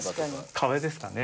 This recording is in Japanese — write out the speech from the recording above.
壁ですかね。